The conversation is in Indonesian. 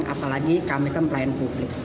kita melakukan pelayanan publik